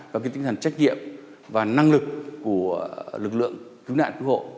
và tính thần trách nhiệm và năng lực của lực lượng cứu nạn cứu hộ